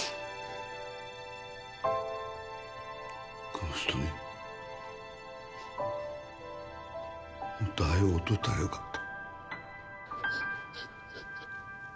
この人にもっと早う会うとったらよかった。